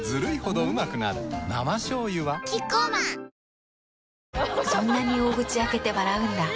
生しょうゆはキッコーマンそんなに大口開けて笑うんだ。